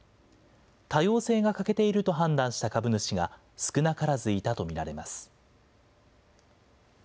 多様性が欠けていると判断した株主が、少なからずいたと見られます。